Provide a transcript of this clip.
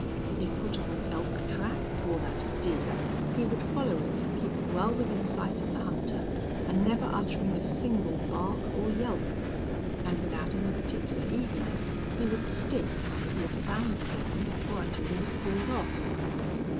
If put on an elk track, or that of deer, he would follow it, keeping well within sight of the hunter, and never uttering a single bark or yelp; and without any particular eagerness he would stick until he had found the game or until he was called off.